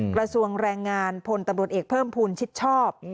กระทรวงแรงงานพลตำรวจเอกเพิ่มภูมิชิดชอบ